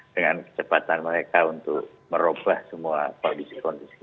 dengan kecepatan mereka untuk merubah semua kondisi kondisi